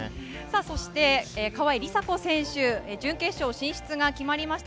川井梨紗子選手、準決勝進出が決まりました。